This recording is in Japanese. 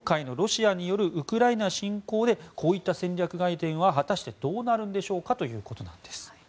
今回のロシアによるウクライナ侵攻でこういった戦略概念は果たしてどうなるのでしょうかということなんです。